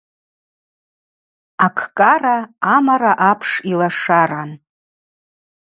Акӏкӏара амара апш йлашаран.